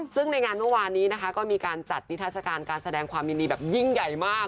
ซึ่งในงานเมื่อวานนี้นะคะก็มีการจัดนิทัศกาลการแสดงความยินดีแบบยิ่งใหญ่มาก